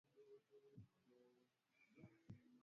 Korti kuu ya Kenya iko katika eneo la katikati.